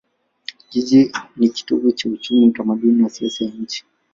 Jiji ni kitovu cha uchumi, utamaduni na siasa ya nchi.